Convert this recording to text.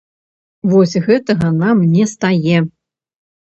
Вось гэтага нам не стае.